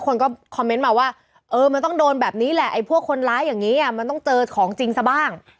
คนก็คอมเมนต์มาว่าเออมันต้องโดนแบบนี้แหละไอ้พวกคนร้ายอย่างนี้มันต้องเจอของจริงซะบ้าง